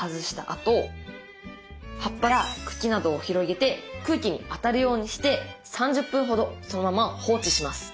あと葉っぱや茎などを広げて空気に当たるようにして３０分ほどそのまま放置します。